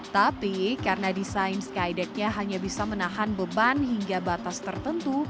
tapi karena desain skydeck nya hanya bisa menahan beban hingga batas tertentu